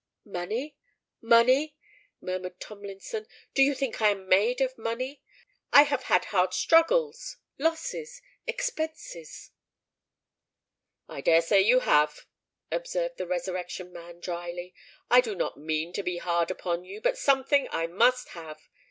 "Money—money!" murmured Tomlinson: "do you think I am made of money? I have had hard struggles—losses—expenses——" "I dare say you have," observed the Resurrection Man, drily. "I do not mean to be hard upon you; but something I must have.